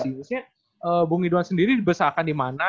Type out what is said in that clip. sebenarnya bung ridwan sendiri dibesarkan di mana